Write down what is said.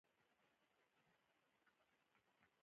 چار مغز د افغانستان د چاپیریال ساتنې لپاره ډېر مهم دي.